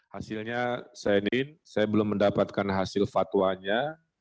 hasilnya saya ini saya belum mendapatkan hasil fatwanya